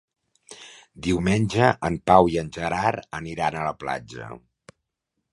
Diumenge en Pau i en Gerard aniran a la platja.